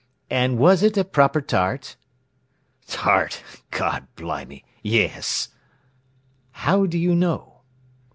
"An' was it a proper tart?" "Tart, God blimey—yes!" "How do you know?"